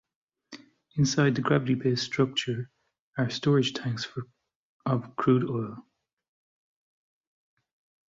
Inside the gravity base structure are storage tanks for of crude oil.